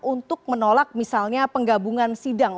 untuk menolak misalnya penggabungan sidang